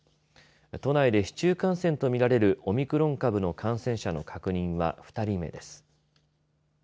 都内で市中感染とみられるオミクロン株の感染者の確認は２人です。